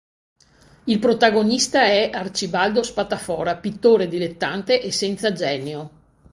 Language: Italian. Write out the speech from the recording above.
Il protagonista è Arcibaldo Spatafora, pittore dilettante e senza genio.